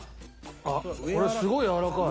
あっこれすごいやわらかい。